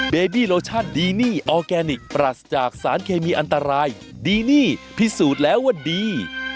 เบบี้โลชั่นดีนี่ออร์แกนิคปรัสจากสารเคมีอันตรายดีนี่พิสูจน์แล้วว่าดี